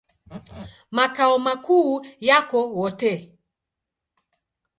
Makao makuu yako Wote.